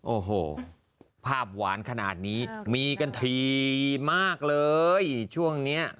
โอ้โหภาพหวานขนาดนี้มีกันทีมากเลยช่วงเนี้ย